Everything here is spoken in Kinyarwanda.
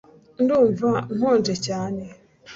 Ndumva nkonje cyane